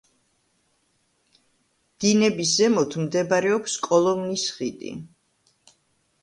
დინების ზემოთ მდებარეობს კოლომნის ხიდი.